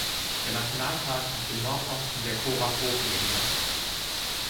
Der Nationalpark liegt im Nordosten der Khorat-Hochebene.